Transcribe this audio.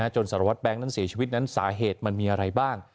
สารวัตรแบงค์นั้นเสียชีวิตนั้นสาเหตุมันมีอะไรบ้าง